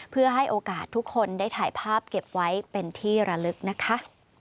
เพื่อให้โอกาสทุกคนได้ถ่ายภาพเก็บไว้เป็นที่ระลึกนะคะ